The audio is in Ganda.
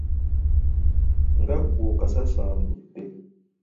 Nga ggwe okasasambudde.